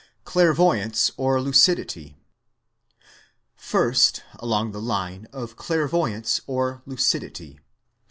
Clairvoyance or Lucidity First along the line of clairvoyance or lucidity.